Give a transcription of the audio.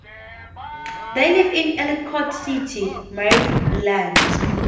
They lived in Ellicott City, Maryland.